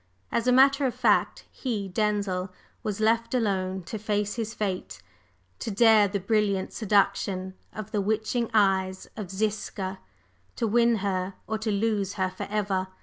As a matter of fact, he, Denzil, was left alone to face his fate: to dare the brilliant seduction of the witching eyes of Ziska, to win her or to lose her forever!